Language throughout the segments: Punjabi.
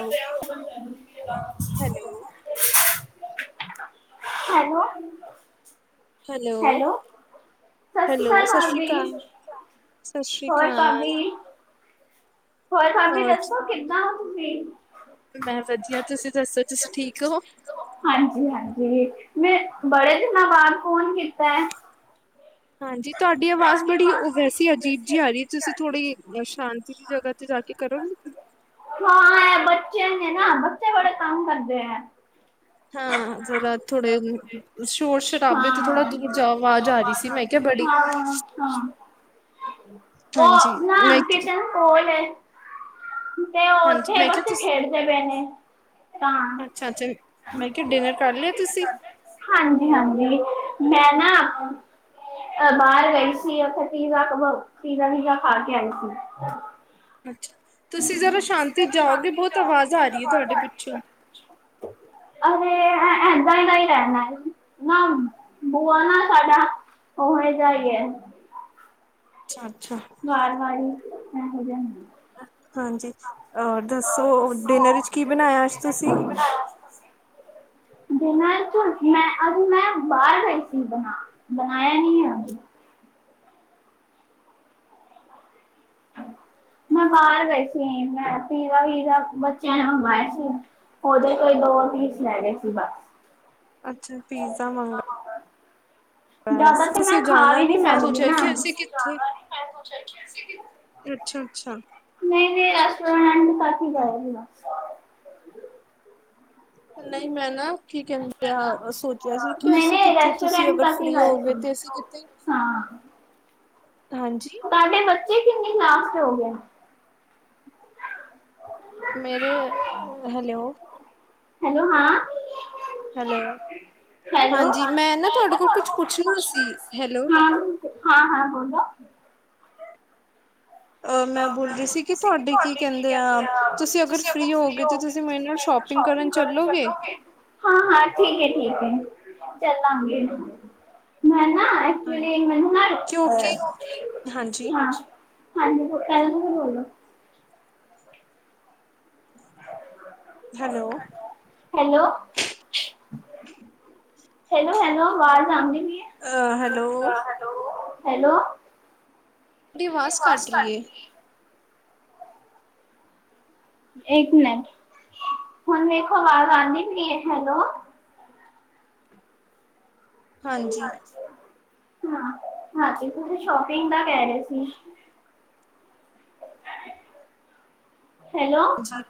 ਹੈਲੋ, ਜਾ ਹੈਲੋ, ਲ ਸ਼ੁਰੂ ਕਰੋ [unintelligible] ਹੈਲੋ ਹੈਲੋ ਸਤਿ ਹੈਲੋ, ਸ਼੍ਰੀ ਅਕਾਲ ਸ਼ਸ਼੍ਰੀ ਭਾਬੀ ਕਾਲ, ਸ਼ਸ਼੍ਰੀ ਹੋਰ ਕਾਲ ਭਾਬੀ ਹੋਰ ਭਾਬੀ ਦੱਸੋ ਕਿੱਦਾਂ ਓ ਤੁਸੀਂ ਮੈਂ ਵਧੀਆ ਤੁਸੀਂ ਦੱਸੋ ਤੁਸੀਂ ਠੀਕ ਓ ਹਾਂਜੀ-ਹਾਂਜੀ ਮੈਂ ਬੜੇ ਦਿਨਾਂ ਬਾਅਦ ਫੋਨ ਕੀਤਾ ਐ ਹਾਂਜੀ, ਤੁਆਡੀ ਆਵਾਜ਼ ਬੜੀ ਓ ਵੈਸੀ ਅਜੀਬ ਜੀ ਆ ਰੀ ਤੁਸੀਂ ਥੋੜੀ ਸ਼ਾਂਤੀ ਜਗ੍ਹਾ ਤੇ ਜਾ ਕੇ ਕਰੋਗੇ ਹਾਂ ਐਹ ਬੱਚੇ ਨੇ ਨਾ ਬੱਚੇ ਬੜੇ ਤੰਗ ਕਰਦੇ ਐ ਹਾਂ ਜਰਾ ਥੋੜੇ ਸ਼ੋਰ ਸ਼ਰਾਬੇ ਤੋਂ ਹਾਂ ਥੋੜਾ ਦੂਰ ਜਾਓ ਆਵਾਜ਼ ਆ ਰਹੀ ਸੀ ਮੈਂ ਕਿਆ ਬੜੀ ਹਾਂ ਹਾਂ ਹਾਂਜੀ, ਉਹ ਨਾ ਮੈਂ ਕਿਚਨ ਕੋਲ ਐ ਤੇ ਹਾਂਜੀ, ਉੱਥੇ ਮੈਂ ਕਿਹਾ ਬੱਚੇ ਤੁਸੀਂ ਖੇਡਦੇ ਪਏ ਨੇ ਤਾਂ ਅੱਛਾ-ਅੱਛਾ ਮੈਂ ਕਿਆ ਡਿਨਰ ਕਰ ਲਿਆ ਤੁਸੀਂ ਹਾਂਜੀ-ਹਾਂਜੀ ਮੈਂ ਨਾ ਅ ਬਾਰ ਗਈ ਸੀ ਉੱਥੇ ਪੀਜ਼ਾ ਕ ਪੀਜ਼ਾ ਵੀਜ਼ਾ ਖਾ ਕੇ ਆਈ ਸੀ ਅੱਛਾ ਤੁਸੀਂ ਜ਼ਰਾ ਸ਼ਾਂਤੀ ਚ ਜਾਓਗੇ ਬਹੁਤ ਆਵਾਜ਼ ਆ ਰੀ ਐ ਤੁਆਡੇ ਪਿੱਛੋਂ [inaudible] ਅਰੇ ਅ ਇਦਾਂ ਦਾ ਈ ਰੈਣਾ ਨਾ ਬੂਆ ਨਾ ਸਾਡਾ ਉਹੇ ਜਾ ਈ ਏ ਅੱਛਾ-ਅੱਛਾ ਵਾਰ ਵਾਰ ਈ ਏਹੋ ਜੇਹਾ ਹੁੰਦੀ ਹਾਂਜੀ ਅ ਦੱਸੋ ਡਿਨਰ ਵਿੱਚ ਕੀ ਬਣਾਇਆ ਅੱਜ ਤੁਸੀਂ [inaudible] ਡਿਨਰ ਚ ਮੈਂ ਅਜ ਮੈਂ ਬਾਹਰ ਗਈ ਸੀ ਬਣਾ ਬਣਾਇਆ ਨਈ ਐ ਅਜ ਮੈਂ ਬਾਰ ਗਈ ਸੀ ਮੈਂ ਪੀਜਾ ਵੀਜਾ ਬੱਚਿਆਂ ਨੇ ਮੰਗਵਾਇਆ ਸੀ ਉਦੇ ਕੋਈ ਦੋ ਪੀਸ ਲੈ ਗਏ ਸੀ ਬਸ ਅੱਛਾ ਪੀਜ਼ਾ ਮੰਗ ਹ [unintelligible] ਜਾਦਾ ਤੇ ਮੈਂ ਤੁਸੀਂ ਖਾ ਜਾਣਾ ਵੀ ਨੀ ਮੈਂ ਸਕਦੀ ਸੋਚਿਆ ਕਿ ਨ ਅਸੀਂ ਕਿੱਥੇ ਅੱਛਾ, ਅੱਛਾ। ਨਈ, ਨਈ ਰੈਸਟੋਰੈਂਟ ਕਾਫ਼ੀ ਗਏ ਦੇ ਆਂ। ਨਈ ਮੈਂ ਨਾ ਕੀ ਕੈਂਦੇ ਸੋਚਯਾ ਸੀ ਕੇ ਨਹੀਂ ਅਸੀ ਨਹੀਂ ਕਿੱਥੇ ਤੁਸੀ ਰੈਸਟੋਰੈਂਟ ਅਗਰ ਤੱਕ ਹੀ ਫਰੀ ਗਏ ਸੀ ਹੋਓਗੇ, ਤੇ ਅਸੀ ਕਿੱਥੇ ਹਾਂ ਹਾਂਜੀ। ਤਾਡੇ ਬੱਚੇ ਕਿੰਨੀ ਕਲਾਸ ਚ ਹੋਗੇ? ਮੇਰੇ, ਹੈਲਯੋ ਹੈਲੋ, ਹਾਂ ਹੈਲੋ ਹੈਲੋ, ਹਾਂਜੀ ਮੈਂ ਨਾ ਤੁਹਾਡੇ ਕੋਲ ਕੁਛ ਪੁੱਛਣਾ ਸੀ ਹੈਲੋ ਹਾਂ ਹਾਂ, ਹਾਂ, ਬੋਲੋ ਅ ਹਾਂ, ਬੋਲ ਮੈਂ ਰਹੀ ਬੋਲੀ ਰੀ ਸੀ ਕਿ ਤੁਹਾਡੇ ਤੁਆਡੇ ਕੀ ਕਹਿੰਦੇ ਕੈਂਦੇ ਆ, ਤੁਸੀਂ ਤੁਸੀ ਅਗਰ ਫ੍ਰਰੀ ਫ੍ਰੀ ਹੋਗੇ ਤੁਸੀਂ ਤੇ ਮੇਰੇ ਨਾਲ ਤੁਸੀ ਸ਼ੋਪਿੰਗ ਕਰਨ ਚੱਲੋਗੇ? ਚਲੋਗੇ ਹਾਂ, ਹਾਂ, ਠੀਕ ਏ, ਠੀਕ ਏ, ਚੱਲਾਂਗੇ, ਮੈਂ ਨਾ [unintelligible] ਹਾਂਜੀ ਮੈਨੂੰ ਨਾ ਹਾਂ ਕਿਉਂਕਿ ਹਾਂਜੀ ਹਾਜੀ ਬੋ [unintelligible] ਬੋਲੋ ਹੈਲੋ। ਹੈਲੋ-ਹੈਲੋ, ਹੈਲੋ ਵਾਜ਼ ਆਂਦੀ ਪੀ ਏ ਅ ਹੈਲੋ। ਹੈਲੋ। ਤੋਡੀ ਵਾਜ਼ ਕਾਟ ਰੀ ਏ। ਏਕ ਮਿਨਟ, ਹੁਨ ਵੇਖੋ ਆਵਾਜ਼ ਆਂਦੀ ਪਈ ਐ, ਹੈਲੋ ਹਾਂਜੀ। ਹਾਂ, ਹਾਂ ਤੇ ਤੁਸੀ ਸ਼ੋਪਿੰਗ ਦਾ ਕੈ ਰੇ ਸੀ। ਹੈਲੋ। ਜੀ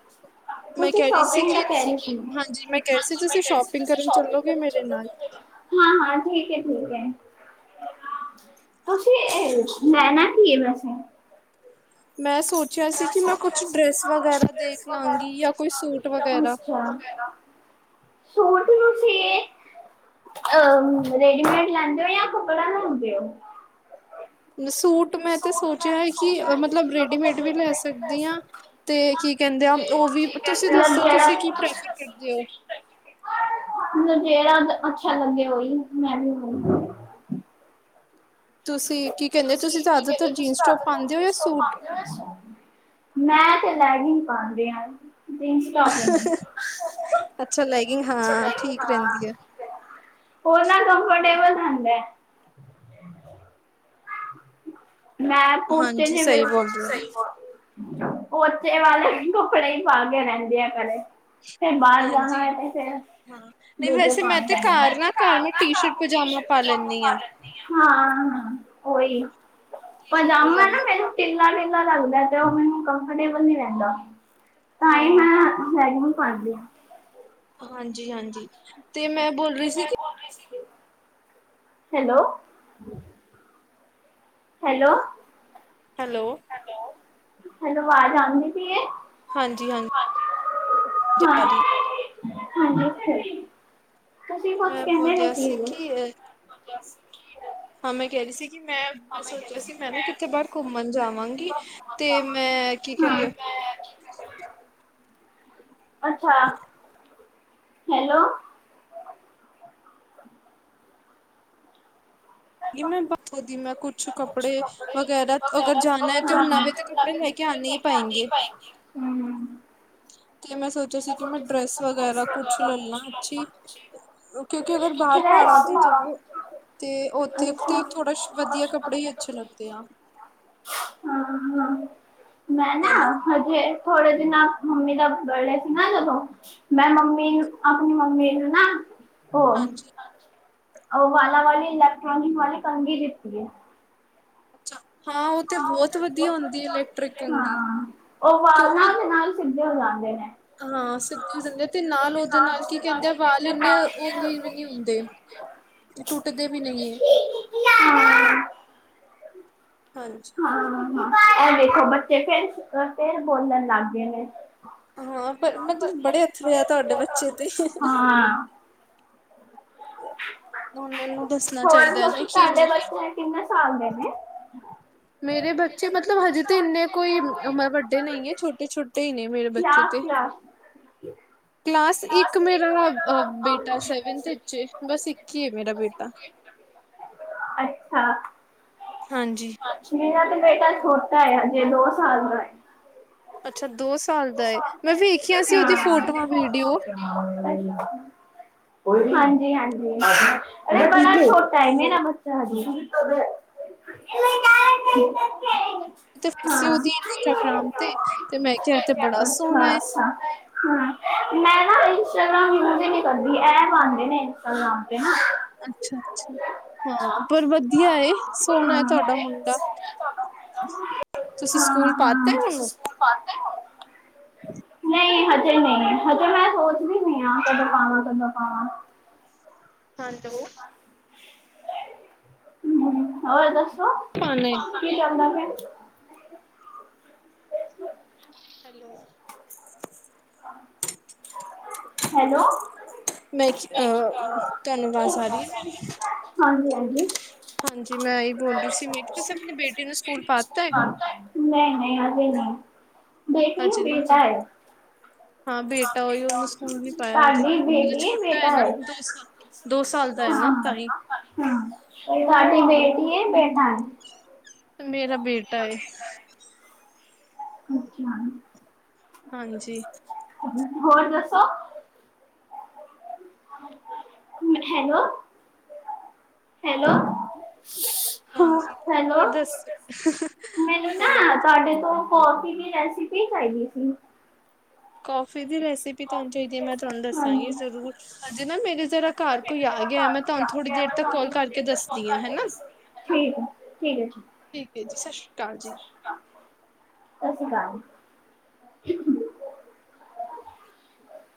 ਮੈਂ ਤੁਸੀ ਕਹਿ ਰਹੀ ਸੀ ਸ਼ੋਪਿੰਗ ਕਿ ਦਾ ਕੈ ਰੇ ਸੀ। ਹਾਂਜੀ ਮੈਂ ਕਹਿ ਰਹੀ ਸੀ ਤੁਸੀਂ ਸ਼ੋਪਿੰਗ ਕਰਨ ਚੱਲੋਗੇ ਮੇਰੇ ਨਾਲ ਹਾਂ, ਹਾਂ ਠੀਕ ਏ, ਠੀਕ ਏ। ਤੁਸੀ ਏ ਲੈਨਾ ਕੀ ਏ, ਵੈਸੇ ਮੈਂ ਸੂਟ ਮੈਂ ਸੋਚਿਆ ਸੀ ਦੇਖ ਲਾਂਗੀ ਜਾਂ ਕੋਈ ਸੂਟ ਵਗੈਰਾ [unintelligible] ਸੂਟ [unintelligible] ਏ। ਅ ਰੈਡੀਮੇਡ ਲੈਂਦੇ ਓ ਯਾ ਕੱਪੜਾ ਲੈਂਦੇ ਓ। ਸੂਟ ਮੈਂ ਤੇ ਸੋਚਿਆ ਏ ਕਿ ਮਤਲਬ ਰੇਡੀਮੇਡ ਵੀ ਲੈ ਸਕਦੀ ਆ, ਤੇ ਕੀ ਕੈਂਦੇ ਆਂ ਓ ਵੀ, ਤੁਸੀ ਦੱਸੋ ਤੁਸੀ ਕੀ ਪ੍ਰੈਫਰ ਕਰਦੇ ਓ? ਮੈਨੂੰ ਜੇੜਾ ਅੱਛਾ ਲੱਗੇ ਓਈ [unintelligible] ਤੁਸੀ ਕੀ ਕੈਂਦੇ ਓ ਤੁਸੀ ਜਿਆਦਾਤਰ ਜੀਨਸ ਟੋਪ ਪਾਂਦੇ ਓ ਜਾ ਸੂਟ? ਮੈਂ ਤੇ ਲੈਗੀ ਪਾਂਦੀ ਆਂ। ਜੀਨਸ ਟੋਪ ਵੀ ਨੀ [unintelligible] ਅੱਛਾ ਲੈਗਿੰਗ ਹਾਂ ਠੀਕ ਰਹਿੰਦੀ ਹੈ। ਓ ਨਾ ਕੰਮਫਰਟੇਵਲ ਰਹਿਦਾ। ਮੈਂ [unintelligible] ਹਾਂਜੀ ਸਹੀ ਬੋਲ ਰਹੇ ਸੀ ਹੋ। ਗੱਲ ਐ। ਪੋਚੇ ਵਾਲੇ ਕੱਪੜੇ [unintelligible] [unintelligible] [unintelligible] ਵੇਸੇ ਹਾਂਜੀ ਮੈ ਹਾਂ ਨਹੀਂ ਵੀ ਵੈਸੇ ਮੈਂ ਤੇ ਨਾ ਘਰ ਮੈਂ ਟੀ ਸ਼ਰਟ ਨਾ ਟੀ ਪਜਾਮਾ ਸਰਟ ਪਾ ਪਜਾਮਾ ਲੈਂਦੀ ਪਾ ਹਾਂ। ਲੇਨੀ ਆ। ਹਾਂ-ਹਾਂ, ਓਈ ਟੀ ਸ਼ਰਟ ਪਜਾਮਾ ਨਾ ਮੈਨੂੰ ਢਿੱਲਾ ਢਿੱਲਾ ਲੱਗਦਾ ਤੇ ਓ ਮੈਨੂੰ ਕੰਫਟੇਬਲ ਨੀ ਰੈਂਦਾ। ਤਾਂਈ ਹਾਂ ਮੈਂ ਲੈਗਿਂਗ ਪਾਂਦੀ। ਹਾਂਜੀ-ਹਾਂਜੀ ਤੇ ਮੈਂ ਬੋਲ ਰੀ ਸੀ ਕਿ ਹੈਲੋ। ਹੈਲੋ। ਹੈਲੋ। ਹੈਲੋ, ਵਾਜ ਆਦੀ ਪਈ ਐ। ਹਾਂਜੀ-ਹਾਂਜੀ ਹਾਂ [unintelligible] ਹਾਂਜੀ, ਤੁਸੀਂ ਕੁਛ ਮੈਂ ਕਹਿੰਦੇ ਬੋਲਿਆ ਸੀ ਜੀ। ਕਿ ਹਾਂ ਮੈਂ ਕਹਿ ਰਹੀ ਸੀ ਕਿ ਮੈਂ ਮੈਂ ਸੋਚਿਆ ਸੀ ਮੈਂ ਨਾ ਕਿੱਥੇ ਬਾਹਰ ਘੁੰਮ ਘੁੰਮਣ ਜਾਵਾਂਗੀ, ਤੇ ਮੈਂ ਕੀ ਕਹਿੰਦੀ ਆ ਅੱਛਾ ਹੈਲੋ ਇਹ ਮੈਂ [unintelligible] ਕੁਛ ਕੱਪੜੇ ਵਗੈਰਾ ਅਗਰ ਜਾਣਾ ਐ ਤੇ ਉਹ ਨਵੇਂ ਤਾਂ ਕੱਪੜੇ ਲੈ ਕੇ ਆਣੇ ਹੀ ਪਏਂ ਗੇ। ਹੂੰ। ਤੇ ਮੈਂ ਸੋਚਿਆ ਸੀ ਕਿ ਮੈਂ ਡਰੈਸ ਵਗੈਰਾ ਕੁਛ ਲੈ ਲਾਂ ਅੱਛੀ। ਕਿਉਂਕਿ ਅਗਰ ਬਾਹਰ ਪਹਾੜਾਂ ਤੇ ਜਾਓ ਤੇ ਉੱਥੇ ਤੇ ਥੋੜਾ ਵਧੀਆ ਕੱਪੜੇ ਹੀ ਅੱਛੇ ਲੱਗਤੇ ਆ। ਹਾਂ ਹਾਂ ਮੈਂ ਨਾ ਹੈਨਾ ਹਜੇ ਥੋੜੇ ਦਿਨਾ ਮੰਮੀ ਦਾ ਬਰਡੇ ਸੀ ਨਾ ਜਦੋ ਮੈਂ ਮੰਮੀ ਨੂੰ ਆਪਣੀ ਮੰਮੀ ਨੂੰ ਨਾ ਹੋ ਹਾਂਜੀ ਉਹ ਵਾਲਾ ਵਾਲੀ ਇਲੈਕਟ੍ਰੋਨਿਕ ਵਾਲੀ ਕੰਗੀ ਦੀਤੀ ਹੈ। ਹਾਂ। ਉਹ ਤੇ ਬਹੁਤ ਵਧੀਆ ਹੁੰਦੀ ਹੈ ਇਲੈਕਟ੍ਰਿਕ ਕੰੰਗੀ ਹਾਂ ਉਹ ਕਿ ਵਾਲ ਨਾ ਉਹਦੇ ਨਾਲ ਸਿੱਧੇ ਲਾ ਜਾਂਉਂਦੇ ਨੇ। ਹਾਂ। ਸਿੱਧੇ ਹੋ ਜਾਂਦੇ ਐ ਤੇ ਨਾਲ ਉਹਦੇ ਨਾਲ ਕੀ ਕਹਿੰਦੇ ਆ ਵਾਲ ਇੰਨੇ ਉਹ ਨਹੀਂ ਹੁੰਦੇ। ਟੁੱਟਦੇ ਵੀ ਨਹੀਂ ਹੈ। ਲ [unintelligible] ਹਾਂਜੀ। ਹ ਉਹ ਦੇਖੋ ਬੱਚੇ ਫੇਰ -ਫੇਰ ਬੋਲਣ ਲੱਗ ਗਏ ਨੇ। ਹਾਂ। ਪਰ ਮਤਲਬ ਬੜੇ ਅਥੱਰੇ ਆ ਤੁਹਾਡੇ ਬੱਚੇ ਤੇ। ਹਾਂ। ਉਹਨਾਂ ਨੂੰ ਦੱਸਣਾ ਹੋਰ ਚਾਹੀਦਾ ਹੈ ਨਾ ਮਸੀ ਤੁਹਾਡੇ ਕਿਵੇਂ ਬੱਚੇ ਕਿੰਨੇ ਸਾਲ ਦੇ ਨੇ। ਮੇਰੇ ਬੱਚੇ ਮਤਲਬ ਹਜੇ ਤੇ ਇੰਨੇ ਕੋਈ ਵੱਡੇ ਨਹੀਂ ਹੈ ਛੋਟੇ -ਛੋਟੇ ਛੋਟੇ ਈ ਨੇ ਮੇਰੇ ਬੱਚੇ ਕਲਾਸ ਤੇ। ਕਲਾਸ ਕਲਾਸ ਇੱਕ ਮੇਰਾ ਬੇਟਾ ਸੈਵਨਥ ਵਿੱਚ ਬਸ ਇੱਕ ਐ ਮੇਰਾ ਬੇਟਾ। ਹ [inaudible] ਅੱਛਾ। ਹਾਂਜੀ। ਮੇਰਾ ਤੇ ਬੇਟਾ ਛੋਟਾ ਹੈ ਹਜੇ ਦੋ ਸਾਲ ਦਾ ਹੈ। ਅੱਛਾ ਦੋ ਸਾਲ ਦਾ ਏ ਮੈਂ ਵੇਖਿਆ ਸੀ ਉਹਦੀ ਫੋਟੋਆਂ, ਵੀਡੀਓ। ਉਹ ਹਾਂਜੀ- ਹਾਂਜੀ। ਟਾਈਮ ਮੇਂ ਨਾ ਬੱਚਾ ਹਜੇ। ਫੋਟੋ ਸੀ ਉਹਦੀ ਇੰਸਟਾਗ੍ਰਾਮ ਤੇ ਮੈਂ ਕਿਹਾ, ਹਾਂ ਇਥ ਬੜਾ ਸੋਹਣਾ ਹੈ। ਹਾਂ। ਹਮ, ਮੈਂ ਨਾ ਇੰਸਟਾਗ੍ਰਾਮ ਯੂਜ ਹੀ ਨ ਕਰਦੀ ਐਪ ਆਉਂਦੇ ਨੇ ਇੰਸਟਾਗ੍ਰਾਮ ਤੇ ਨਾ। ਅੱਛਾ- ਅੱਛਾ ਹਾਂ ਪਰ ਵਧੀਆ ਹੈ। ਸੋਹਣਾ ਹੈ ਤੁਹਾਡਾ ਮੁੰਡਾ। ਤੁਸੀਂ ਸਕੂਲ ਪਾਤਾ ਐ ਐਨੂੰ? ਨਹੀਂ, ਹਜੇ ਨਹੀਂ, ਹਜੇ ਮੈਂ ਸੋਚਦੀ ਪਈ ਆਂ ਕਦੋਂ ਪਾਵਾਂ ਕਦੋਂ ਪਾਵਾਂ ਹੈਲੋ ਹ ਹੋਰ ਦੱਸੋ? ਪਾਣਾ ਏ ਕੀ ਆਉਂਦਾ ਪੈਆ। ਹੈਲੋ ਹਾਂ। ਹੈਲੋ, ਮੈਂ ਅ ਤੁਹਾਨੂੰ ਆਵਾਜ਼ ਆ ਰਹੀ ਏ ਮੇਰੀ? ਹਾਂਜੀ -ਹਾਂਜੀ। ਹਾਂਜੀ, ਮੈਂ ਇਹੀ ਬੋਲ ਰਹੀ ਸੀ ਮ ਤੁਸੀਂ ਆਪਣੀ ਬੇਟੀ ਨੂੰ ਸਕੂਲ ਪਾਤਾ ਹੈ। ਨਹੀਂ -ਨਹੀਂ ਅਜੇ ਨਹੀਂ ਬੇਟੀ ਹ ਹਜੇ ਨਹੀਂ ਪਰ ਬੇਟਾ ਹੈ। ਹਾਂ, ਬੇਟਾ ਈ ਉਹਨੂੰ ਸਕੂਲ ਨੀ ਪਾਇਆ ਹਜੇ। ਸਾਡੀ ਮੈ ਬੇਟੀ ਛੋਟਾ ਹੈ ਬੇਟਾ ਨਾ। ਦੋ ਸੌ ਦੋ ਸਾਲ ਦਾ ਹੈ ਨਾ ਤਾਂ ਹੀ। ਅੱਛਾ, ਏ ਤੁਹਾਡੀ ਬੇਟੀ ਹੈ ਬੇਟਾ ਹੈ ਮੇਰਾ ਬੇਟਾ ਏ। ਓਕੇ, ਹਾਂਜੀ। ਹੋਰ ਦੱਸੋ। ਹੈਲੋ, ਹੈਲੋ, ਹਾਂਜੀ ਹੈਲੋ, ਹੋਰ ਦੱਸੋ ਮੈਨੂੰ ਹੈਲੋ ਨਾ ਤੁਹਾਡੇ ਤੋਂ ਕੋਫੀ ਦੀ ਰੈਸਿਪੀ ਚਾਈਦੀ ਸੀ। ਕੌਫੀ ਦੀ ਰੈਸਿਪੀ ਤੁਹਾਨੂੰ ਚਾਈਦੀ ਹੈ ਮੈਂ ਤੁਹਾਨੂੰ ਦੱਸਾਂਗੀ ਹਾਂਜੀ ਜ਼ਰੂਰ। ਹਜੇ ਨਾ ਮੇਰੀ ਜਰਾ ਘਰ ਕੋਈ ਆ ਗਿਆ। ਮੈਂ ਤੁਹਾਨੂੰ ਥੋੜ੍ਹੀ ਦੇਰ ਤੱਕ ਕਾਲ ਕਰਕੇ ਦੱਸਦੀ ਹਾ ਹਨਾ। ਠੀਕ ਹੈ ਠੀਕ ਹੈ ਜੀ ਠੀਕ ਹੈ, ਜੀ ਸਤਿ ਸ਼੍ਰੀ ਅਕਾਲ ਜੀ। ਸਤਿ ਸ੍ਰੀ ਅਕਾਲ।